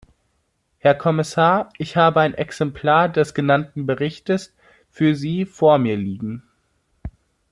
Herr Kommissar, ich habe ein Exemplar des genannten Berichtes für Sie vor mir liegen.